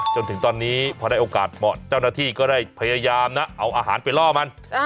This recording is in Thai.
จนถึงตอนนี้พอได้โอกาสเหมาะเจ้าหน้าที่ก็ได้พยายามนะเอาอาหารไปล่อมัน